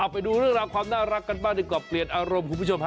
ไปดูเรื่องราวความน่ารักกันบ้างดีกว่าเปลี่ยนอารมณ์คุณผู้ชมฮะ